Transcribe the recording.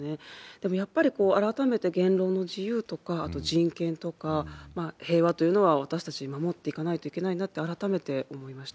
でも、やっぱり改めて言論の自由とか、あと人権とか、平和というのは、私たち、守っていかないといけないなって、改めて思いました。